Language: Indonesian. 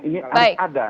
nah ini ada